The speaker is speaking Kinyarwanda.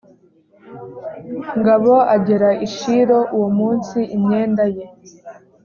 ngabo agera i shilo uwo munsi imyenda ye